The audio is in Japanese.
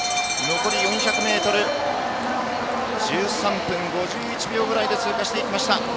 残り４００ｍ１３分５１秒ぐらいで通過していきました。